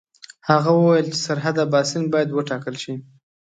هغه وویل چې سرحد اباسین باید وټاکل شي.